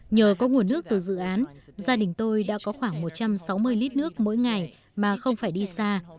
nhờ có nguồn nước từ dự án gia đình tôi đã có khoảng một trăm sáu mươi lít nước mỗi ngày mà không phải đi xa